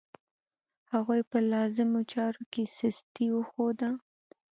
هغوی په لازمو چارو کې سستي وښوده.